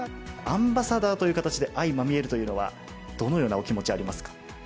アンバサダーという形で相まみえるというのは、どのようなお気持ちありますか？